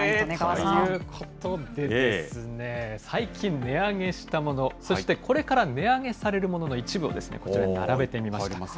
ということでですね、最近、値上げしたもの、そしてこれから値上げされるものの一部をこちらに並べてみました。